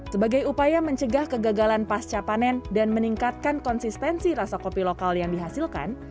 sebagai upaya mencegah kegagalan pasca panen dan meningkatkan konsistensi rasa kopi lokal yang dihasilkan